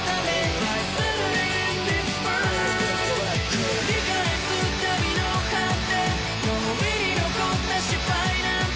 「繰り返す旅の果て脳裏に残った失敗なんて」